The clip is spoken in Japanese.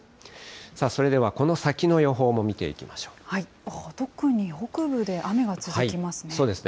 それではこの先の予報も見ていき特に北部で雨が続きますね。